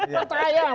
percaya mas roy